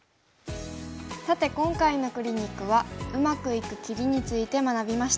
さて今回のクリニックはうまくいく切りについて学びました。